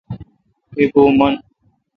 می پو من۔